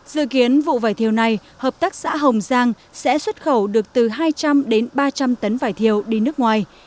dự kiến vụ vải thiều này hợp tác xã hồng giang sẽ xuất khẩu được từ hai trăm linh đến ba trăm linh tấn vải thiều đi nước ngoài